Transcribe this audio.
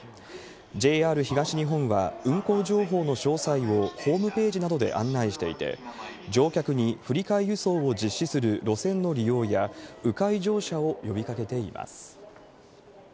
ＪＲ東日本は、運行情報の詳細をホームページなどで案内していて、乗客に振り替え輸送を実施する路線の利用や、う回乗車を呼びかけています。